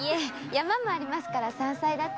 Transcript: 山もありますから山菜だって。